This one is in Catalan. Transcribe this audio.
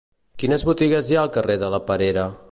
Quines botigues hi ha al carrer de la Perera?